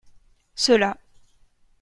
Ceux-là.